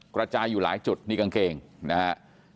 กระจายอยู่หลายจุดนี่กางเกงนะฮะ